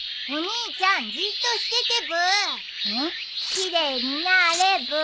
奇麗になあれブー。